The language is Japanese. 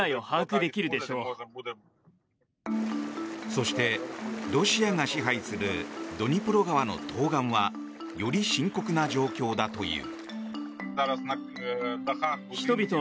そして、ロシアが支配するドニプロ川の東岸はより深刻な状況だという。